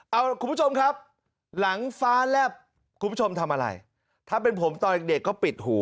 เอาล่ะคุณผู้ชมครับหลังฟ้าแลบคุณผู้ชมทำอะไรถ้าเป็นผมตอนเด็กก็ปิดหู